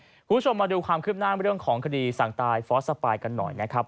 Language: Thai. คุณผู้ชมมาดูความคืบหน้าเรื่องของคดีสั่งตายฟอสสปายกันหน่อยนะครับ